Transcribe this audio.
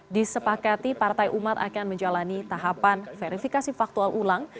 disepakati partai umat akan menjalani tahapan verifikasi faktual ulang